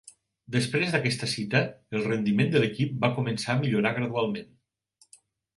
Després d'aquesta cita, el rendiment de l'equip va començar a millorar gradualment.